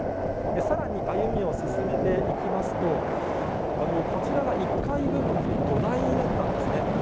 さらに、歩みを進めていきますと、こちらが１階部分で土台だったんですね。